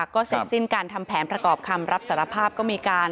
ก็เสร็จสิ้นการทำแผนประกอบคำรับสารภาพก็มีการ